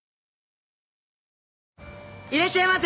いらっしゃいませ！